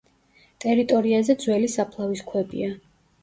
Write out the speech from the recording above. ტერიტორიაზე ძველი საფლავის ქვებია.